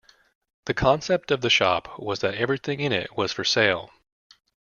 The concept of the shop was that everything in it was for sale.